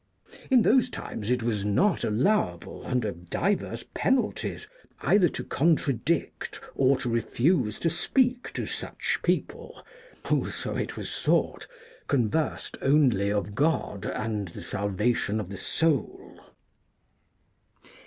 In those times it was not allowable, under divers penalties, either to contradict or to refuse to speak to such people, who, so it was thought, conversed only of God and the salvation of the soul."